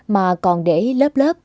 mà còn để lớp lớp các thế hệ